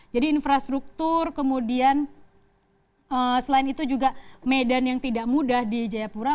jadi infrastruktur kemudian selain itu juga medan yang tidak mudah di jayapura